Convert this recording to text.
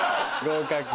合格。